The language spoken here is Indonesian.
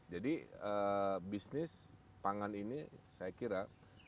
jadi bisnis pangan ini saya kira